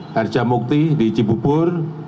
harjamukti di cibubur